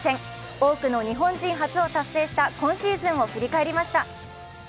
多くの日本人初を達成した今シーズンを振り返りました。